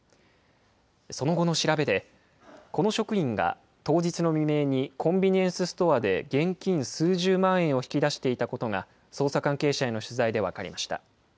その後の調べで、この職員が当日の未明にコンビニエンスストアで、現金数十万円を引き出していたことが捜査関係者への取材で分かりました。